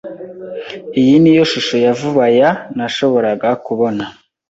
Iyi niyo shusho ya vuba ya nashoboraga kubona.